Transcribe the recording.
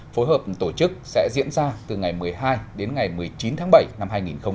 phối hợp tổ chức sẽ diễn ra từ ngày một mươi hai đến ngày một mươi chín tháng bảy năm hai nghìn hai mươi